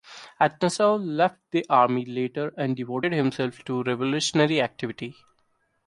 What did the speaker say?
Atanasov left the army later and devoted himself to revolutionary activity.